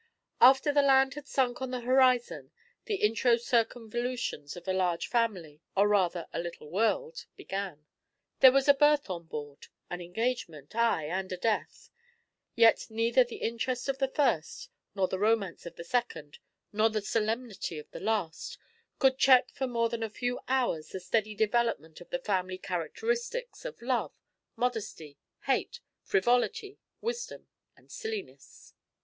After the land had sunk on the horizon the intro circumvolutions of a large family, or rather a little world, began. There was a birth on board, an engagement, ay, and a death; yet neither the interest of the first, nor the romance of the second, nor the solemnity of the last, could check for more than a few hours the steady development of the family characteristics of love, modesty, hate, frivolity, wisdom, and silliness.